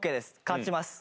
勝ちます。